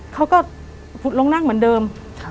เขาก็ผุดลงนั่งเหมือนเดิม